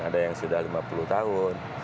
ada yang sudah lima puluh tahun